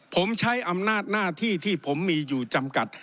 ผมใช้อำนาจหน้าที่ที่ผมมีอยู่จำกัด